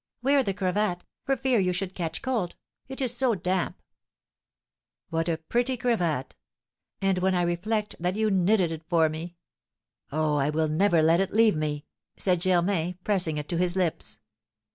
"Wear the cravat, for fear you should catch cold; it is so damp!" "What a pretty cravat! And when I reflect that you knitted it for me! Oh, I will never let it leave me!" said Germain, pressing it to his lips.